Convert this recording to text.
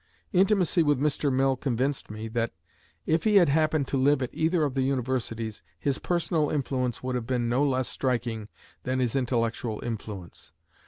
Intimacy with Mr. Mill convinced me, that, if he had happened to live at either of the universities, his personal influence would have been no less striking than his intellectual influence.